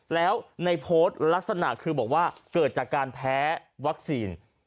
แล้วในโพสต์ลักษณะคือบอกว่าเกิดจากการแพ้วัคซีน